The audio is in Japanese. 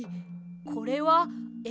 これはえ